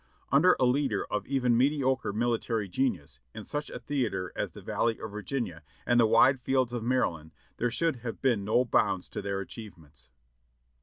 Under a leader of even mediocre military genius, in such a theater as the Valley of Virginia and the wide fields of Maryland, there should have been no bounds to their achievements.